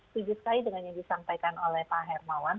tujuh kali dengan yang disampaikan oleh pak hermawan